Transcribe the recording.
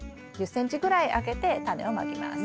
１０ｃｍぐらい空けてタネをまきます。